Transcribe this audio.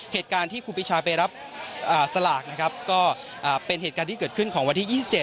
เหตุการณ์ที่ครูปีชาไปรับสลากนะครับก็เป็นเหตุการณ์ที่เกิดขึ้นของวันที่๒๗